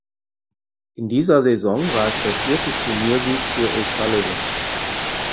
In dieser Saison war es der vierte Turniersieg für O’Sullivan.